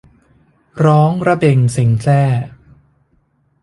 ร้องระเบ็งเซ็งแซ่